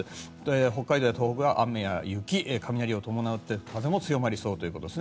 北海道や東北は雨や雪雷を伴って風も強まりそうです。